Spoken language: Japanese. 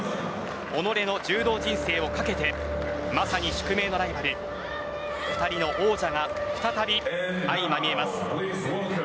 己の柔道人生をかけてまさに宿命のライバル２人の王者が再び相まみえます。